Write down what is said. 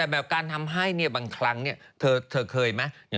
เพราะว่าการทำให้บางครั้งตัวเคยมั้ย